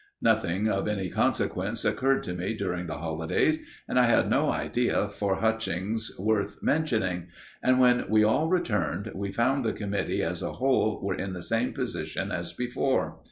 Nothing of any consequence occurred to me during the holidays, and I had no idea for Hutchings worth mentioning; and when we all returned, we found the committee as a whole were in the same position as before.